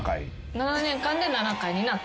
７年間で７回になった。